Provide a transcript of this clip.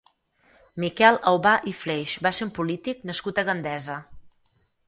Miquel Aubà i Fleix va ser un polític nascut a Gandesa.